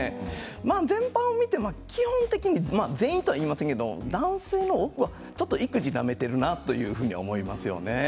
全般を見て、基本的に全員とは言いませんが男性がちょっと育児をなめているなと思います。